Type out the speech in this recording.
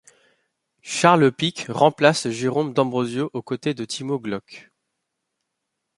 Charles Pic remplace Jérôme d'Ambrosio aux côtés de Timo Glock.